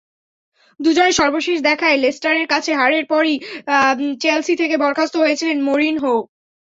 দুজনের সর্বশেষ দেখায় লেস্টারের কাছে হারের পরই চেলসি থেকে বরখাস্ত হয়েছিলেন মরিনহো।